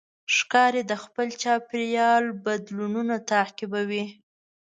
ښکاري د خپل چاپېریال بدلونونه تعقیبوي.